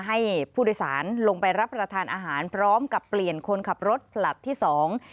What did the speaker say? ให้ผู้โดยสารลงไปรับประทานอาหารพร้อมกับเปลี่ยนคนขับรถผลัดที่สอง